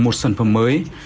một sản phẩm mới